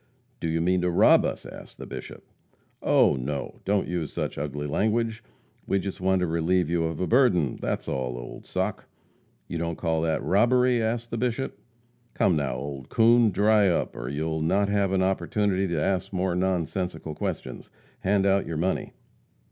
"Do you mean to rob us?" asked the Bishop. "Oh, no! Don't use such ugly language. We just want to relieve you of a burden that's all, old sock." "You don't call that robbery?" asked the Bishop. "Come, now, old coon! Dry up, or you'll not have an opportunity to ask any more nonsensical questions. Hand out your money!"